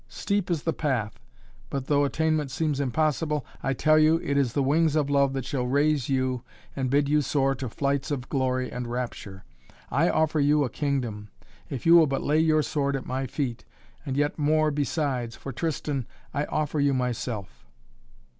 Steep is the path, but, though attainment seems impossible, I tell you it is the wings of love that shall raise you and bid you soar to flights of glory and rapture. I offer you a kingdom, if you will but lay your sword at my feet and yet more besides, for, Tristan, I offer you myself."